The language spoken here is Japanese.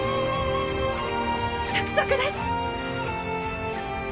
約束です